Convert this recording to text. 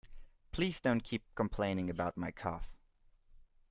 Please don't keep complaining about my cough